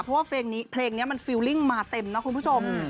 เพราะว่าเพลงนี้เพลงนี้มันฟิลลิ่งมาเต็มนะคุณผู้ชม